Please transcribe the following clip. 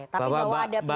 ya kan baik baik saja